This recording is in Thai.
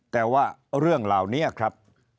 แต่ว่าเรื่องเหล่านี้ครับ